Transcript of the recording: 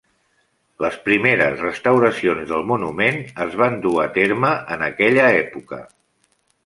Les primeres restauracions del monument es van dur a terme en aquella època.